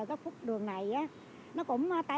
có phút đường này á nó cũng té